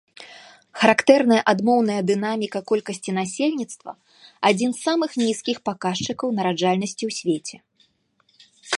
Характэрная адмоўная дынаміка колькасці насельніцтва, адзін з самых нізкіх паказчыкаў нараджальнасці ў свеце.